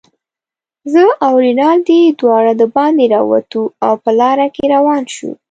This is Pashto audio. زه او رینالډي دواړه دباندې راووتو، او په لاره روان شوو.